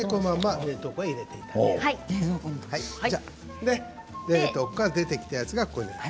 冷凍庫から出てきたやつがこちらです。